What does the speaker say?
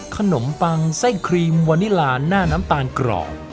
ขนมปังไส้ครีมวานิลานหน้าน้ำตาลกรอบ